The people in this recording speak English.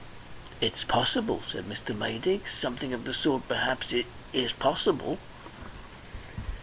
"It's possible," said Mr. Maydig. "Something of the sort, perhaps, is possible."